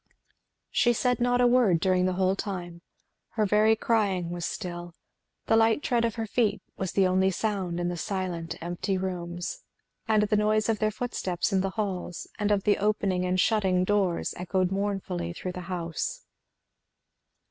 She said not a word during the whole time; her very crying; was still; the light tread of her little feet was the only sound in the silent empty rooms; and the noise of their footsteps in the halls and of the opening and shutting doors echoed mournfully through the house.